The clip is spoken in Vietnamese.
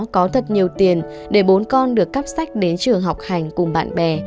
có thật nhiều tiền để bốn con được cắp sách đến trường học hành cùng bạn bè